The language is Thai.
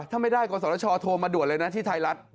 ถ้าไม่ได้กศชโทรมาด่วนเลยนะที่ไทยรัฐ